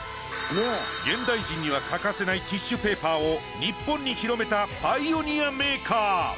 現代人には欠かせないティッシュペーパーを日本に広めたパイオニアメーカー。